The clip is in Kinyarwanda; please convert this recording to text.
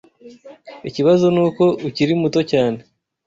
Ikibazo nuko ukiri muto cyane.